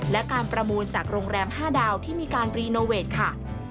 และการประมูลจากโรงแรม๕ดาวที่มีการรีโนเวทค่ะ